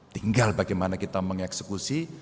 tinggal bagaimana kita mengeksekusi